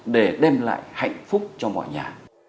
để đem lại hạnh phúc cho mọi nhà